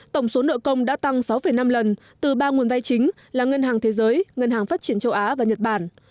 tổng số nợ công đã tăng sáu năm lần từ ba nguồn vay chính là ngân hàng thế giới ngân hàng phát triển châu á và nhật bản